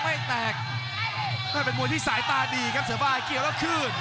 ไม่กลัวครับไม่มีใครกลัวครับ